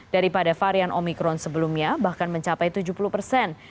daripada varian omikron sebelumnya bahkan mencapai tujuh puluh persen